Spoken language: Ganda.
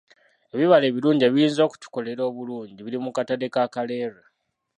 Ebibala ebirungi ebiyinza okutukolera obulungi biri mu katale ka Kaleerwe.